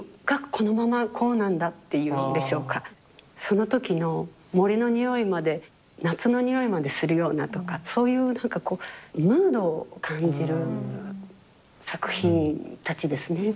その時の森のにおいまで夏のにおいまでするようなとかそういう何かこうムードを感じる作品たちですね。